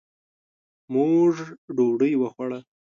موږ ډوډۍ وخوړه.